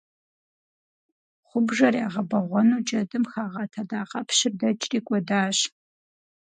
Хъубжэр ягъэбэгъуэну джэдым хагъэт адакъэпщыр дэкӏри кӏуэдащ.